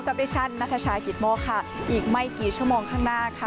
ดิฉันนัทชายกิตโมกค่ะอีกไม่กี่ชั่วโมงข้างหน้าค่ะ